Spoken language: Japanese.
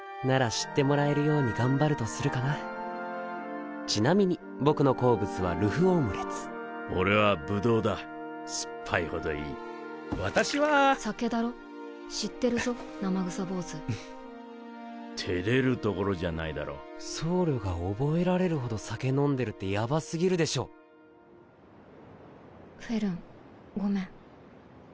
知ってもらえるように頑張るとすちなみに僕の好物はルフオムレツ俺はブドウだ酸っぱいほど知ってるぞ生臭坊主照れるところじゃないだろ僧侶が覚えられるほど酒飲んでるってヤバ過ぎるでしょフェルンごめん。